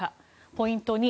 ポイント２